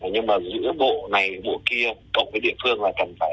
nhưng mà giữa bộ này bộ kia cộng với địa phương là cần phải